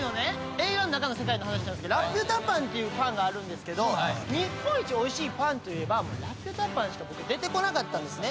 映画の中の世界の話なんですけどラピュタパンっていうパンがあるんですけど日本一おいしいパンといえばラピュタパンしか僕出てこなかったんですね